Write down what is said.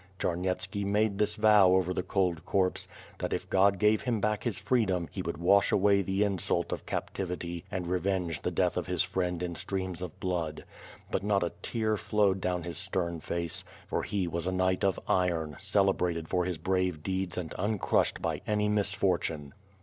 Charnyetski made this vow over the cold corpse, that if God gave him back his freedom he would wash away the insult of captivity and n^venge the death of his friend in streams of blood; but not a tear flowed down his stern face; for he was a knight of iron, celebrated for his l)rave deeds and uncrushed by any misfortune.